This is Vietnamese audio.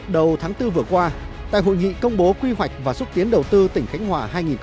đầu tháng bốn vừa qua tại hội nghị công bố quy hoạch và xúc tiến đầu tư tỉnh khánh hòa hai nghìn hai mươi